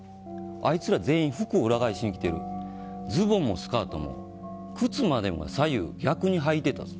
あいつら全員、服裏返しに着てるズボンもスカートも靴までも左右逆に履いてたぞ